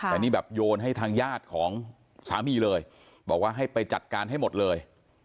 แต่นี่แบบโยนให้ทางญาติของสามีเลยบอกว่าให้ไปจัดการให้หมดเลย